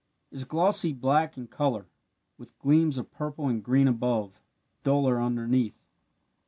Is glossy black in colour, with gleams of purple and green above duller underneath.